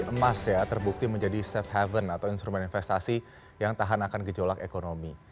emas ya terbukti menjadi safe haven atau instrumen investasi yang tahan akan gejolak ekonomi